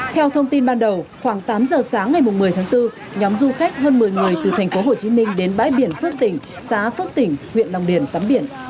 theo thông tin ban đầu khoảng tám giờ sáng ngày một mươi tháng bốn nhóm du khách hơn một mươi người từ thành phố hồ chí minh đến bãi biển phước tỉnh xá phước tỉnh huyện đồng điển tắm biển